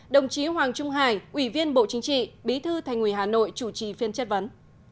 đồng chí hoàng trung hải ủy viên bộ chính trị bí thư thành ủy hà nội chủ trì phiên chất vấn